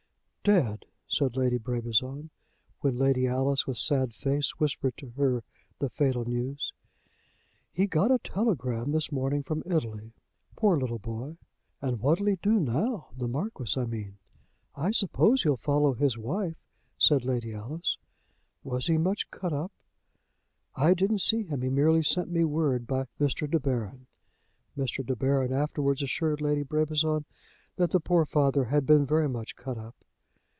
"Dead!" said Lady Brabazon, when Lady Alice, with sad face, whispered to her the fatal news. "He got a telegram this morning from Italy. Poor little boy." "And what'll he do now; the Marquis I mean?" "I suppose he'll follow his wife," said Lady Alice. "Was he much cut up?" "I didn't see him. He merely sent me word by Mr. De Baron." Mr. De Baron afterwards assured Lady Brabazon that the poor father had been very much cut up.